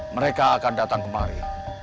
mereka akan datang kemari